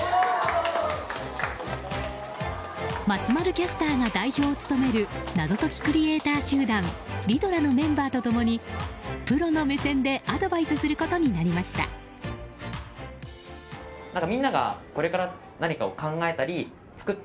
松丸キャスターが代表を務める謎解きクリエーター集団ＲＩＤＤＬＥＲのメンバーと共にプロの目線でアドバイスすることになりました。